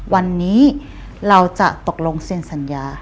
วันนี้เราจะตกลงเซ็นสัญญา